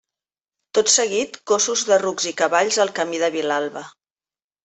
Tot seguit cóssos de rucs i cavalls al camí de Vilalba.